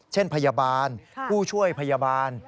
เช่นพยาบาลผู้ช่วยพยาบาล